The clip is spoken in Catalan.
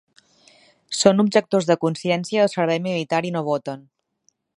Són objectors de consciència al servei militar i no voten.